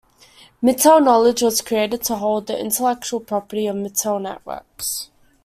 Mitel Knowledge was created to hold the intellectual property of Mitel Networks.